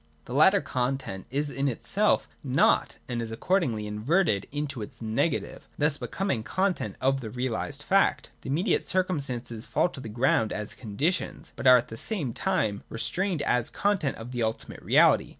The latter content is in itself nought and is accordingly inverted into its negative, thus be coming content of the realised fact. The immediate circum stances fall to the ground as conditions, but are at the same time retained as content of the ultimate reality.